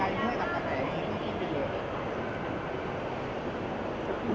แล้วมีใครด้วยกับการแบบนี้มันเป็นเรื่องไหนค่ะ